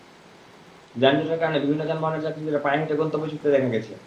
যানজটের কারণে বিভিন্ন যানবাহনের যাত্রীদের পায়ে হেঁটে গন্তব্যে ছুটতে দেখা গেছে।